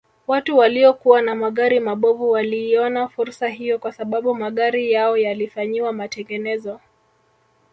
Watu waliokuwa na magari mabovu waliiona fursa hiyo kwa sababu magari yao yalifanyiwa matengenezo